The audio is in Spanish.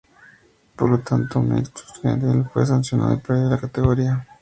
Por lo tanto Mixto Estudiantil fue sancionado y perdió la categoría.